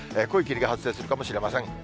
濃い霧が発生するかもしれません。